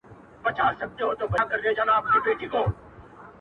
• دا پنځوس کاله پراته پر زکندن یو -